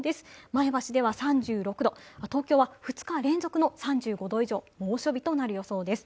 前橋では３６度、東京は２日連続の３５度以上、猛暑日となる予想です。